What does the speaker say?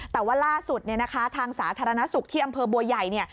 แต่ว่าล่าสุดทางสาธารณสุขที่อำเภอบัวใหญ่